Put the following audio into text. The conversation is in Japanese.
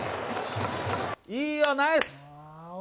いいよ、ナイス！